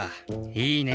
いいね。